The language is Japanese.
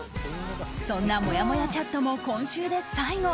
そんなもやもやチャットも今週で最後。